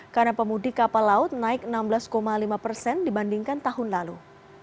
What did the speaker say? karena pemudik kapal laut naik enam belas lima persen dibandingkan tahun lalu